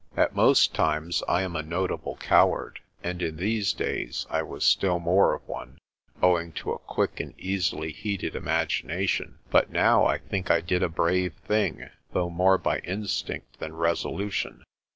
At most times I am a notable coward, and in these days I was still more of one, owing to a quick and easily heated imagination. But now I think I did a brave thing, though more by instinct than resolution.